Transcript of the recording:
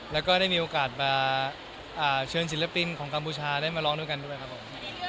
แล้วก็ได้มีโอกาสมาเชิญศิลปินของกัมพูชาได้มาร้องด้วยกันด้วยครับผม